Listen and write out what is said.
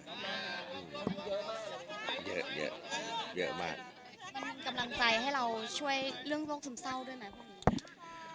มันมีกำลังใจให้เราช่วยเรื่องโรคซึมเศร้าด้วยไหมครับ